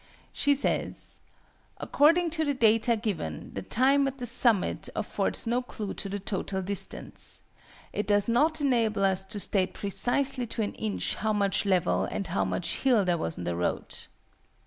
She says "According to the data given, the time at the summit affords no clue to the total distance. It does not enable us to state precisely to an inch how much level and how much hill there was on the road."